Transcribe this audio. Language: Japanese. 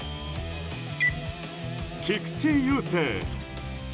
菊池雄星。